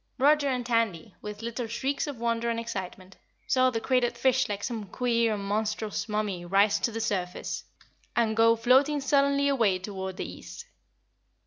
Roger and Tandy, with little shrieks of wonder and excitement, saw the crated fish like some queer and monstrous mummy rise to the surface and go floating sullenly away toward the east.